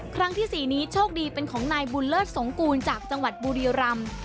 ครั้งที่๔นี้โชคดีเป็นของนายบุญเลิศสงกูลจากจังหวัดบุรีรำ